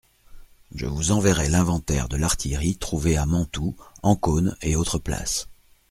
Je vous enverrai l'inventaire de l'artillerie trouvée à Mantoue, Ancône et autres places.